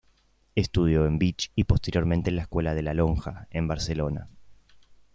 Estudió en Vich, y posteriormente en la Escuela de la Lonja, en Barcelona.